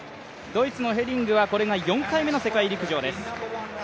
ドイツのヘリングはこれが４回目の世界陸上です。